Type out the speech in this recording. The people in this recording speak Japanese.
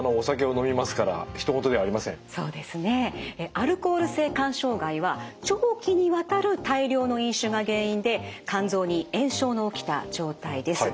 アルコール性肝障害は長期にわたる大量の飲酒が原因で肝臓に炎症の起きた状態です。